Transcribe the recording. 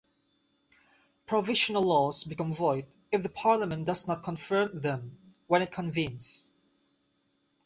Provisional laws become void if the Parliament does not confirmed them when it convenes.